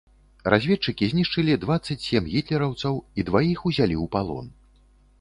Разведчыкі знішчылі дваццаць сем гітлераўцаў і дваіх узялі ў палон.